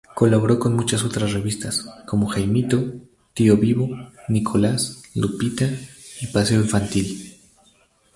Colaboró con otras muchas revistas, como "Jaimito", "Tío Vivo", "Nicolás", "Lupita" y "Paseo Infantil".